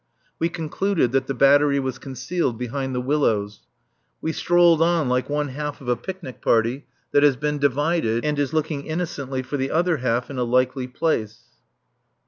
We concluded that the battery was concealed behind the willows. We strolled on like one half of a picnic party that has been divided and is looking innocently for the other half in a likely place.